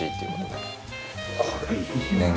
これいいねえ。